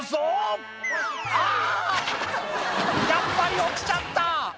やっぱり落ちちゃった！